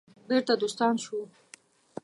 بیرته دوستان شو.